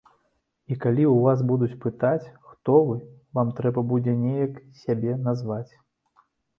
І калі ў вас будуць пытаць, хто вы, вам трэба будзе неяк сябе назваць.